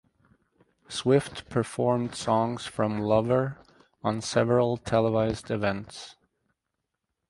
Swift performed songs from "Lover" on several televised events.